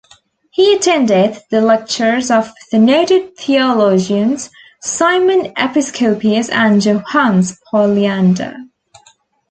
He attended the lectures of the noted theologians, Simon Episcopius and Johannes Polyander.